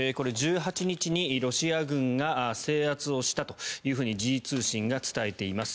１８日にロシア軍が制圧をしたと時事通信が伝えています。